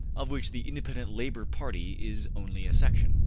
Of which the Independent Labor Party is only a section.